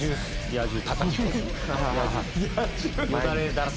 野獣。